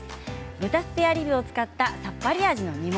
豚スペアリブを使ったさっぱり味の煮物。